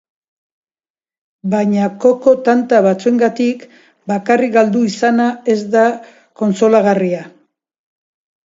Baina koko tanta batzuengatik bakarrik galdu izana ez da kontsolagarria.